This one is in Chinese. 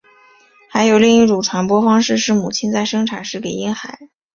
还有另一种传播方式是母亲在生产时给婴孩。